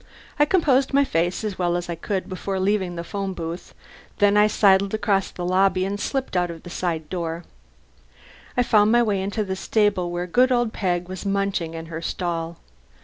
I composed my face as well as I could before leaving the 'phone booth; then I sidled across the lobby and slipped out of the side door. I found my way into the stable, where good old Peg was munching in her stall.